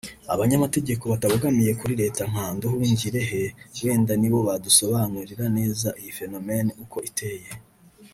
Abanyamategeko batabogamiye kuri Leta nka Nduhungirehe wenda ni bo badusobanurira neza iyi phénomène uko iteye